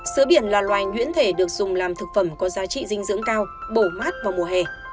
sữa biển là loài nhuyễn thể được dùng làm thực phẩm có giá trị dinh dưỡng cao bổ mát vào mùa hè